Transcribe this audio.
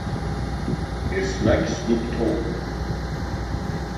Еснагь сгәы бҭоуп.